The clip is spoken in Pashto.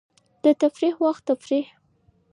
د تفریح وخت تفریح.